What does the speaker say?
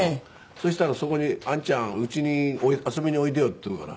そしたら「あんちゃんうちに遊びにおいでよ」って言うから。